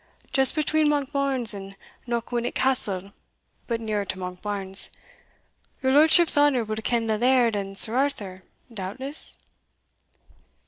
"Just between Monkbarns and Knockwinnock Castle, but nearer to Monkbarns. Your lordship's honour will ken the laird and Sir Arthur, doubtless?"